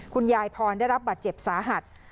คุณยายพรได้รับบัตรเจ็บสาหัส